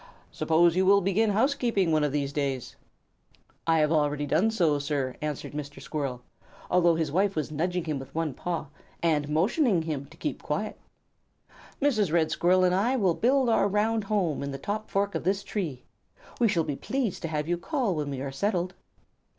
Suppose you will begin housekeeping one of these days?" "I have done so already, sir," answered Mr. Red Squirrel, although his wife was nudging him with one paw and motioning him to keep quiet. "Mrs. Red Squirrel and I will build our round home in the top fork of this tree. We shall be pleased to have you call when we are settled."